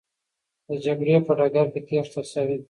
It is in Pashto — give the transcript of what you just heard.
د جګړې په ډګر کې تېښته سوې.